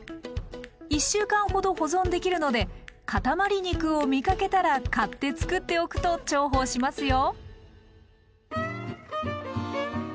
１週間ほど保存できるので塊肉を見かけたら買ってつくっておくと重宝しますよ。